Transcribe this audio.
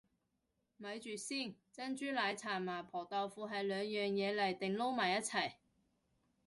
咪住先，珍珠奶茶麻婆豆腐係兩樣嘢嚟定撈埋一齊